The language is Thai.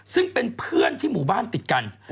ซึ่งเป็นเพื่อนที่หมู่บ้านติดกัน